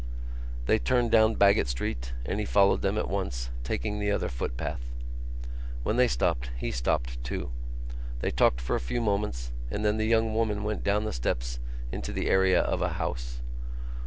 They turned down Baggot Street and he followed them at once, taking the other footpath. When they stopped he stopped too. They talked for a few moments and then the young woman went down the steps into the area of a house.